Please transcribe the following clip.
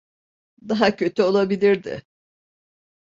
Daha kötü olabilirdi.